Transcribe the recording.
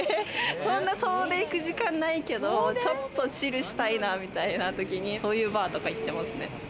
そんな遠出行く時間ないけど、ちょっとチルしたいな、みたいなときにそういうバーとか行ってますね。